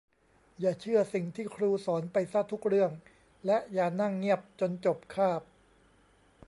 อย่าเชื่อสิ่งที่ครูสอนไปซะทุกเรื่องและอย่านั่งเงียบจนจบคาบ